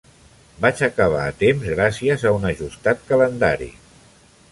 Vaig acabar a temps gràcies a un ajustat calendari.